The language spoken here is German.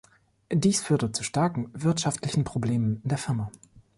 Dies führte zu starken wirtschaftlichen Problemen in der Firma.